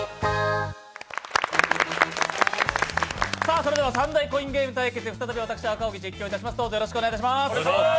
それでは３大コイン対決、再び私、赤荻が実況します。